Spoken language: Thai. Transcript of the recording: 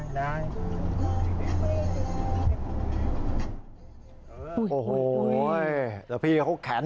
โดนสั่งแอป